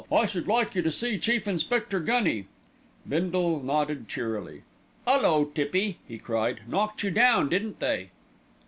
I should like you to see Chief Inspector Gunny." Bindle nodded cheerily. "'Ullo, Tippy!" he cried, "knocked you down, didn't they?"